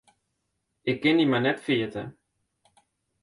Ik kin dy mar net ferjitte.